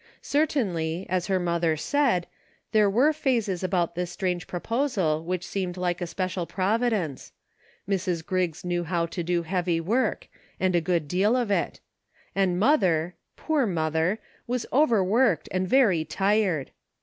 Certainly, as her mother said, there were phases about this strange proposal which seemed like a special providence ; Mrs. Griggs knew how to do heavy work, and a good deal of it ; and mother, poor mother, was over worked and very tired.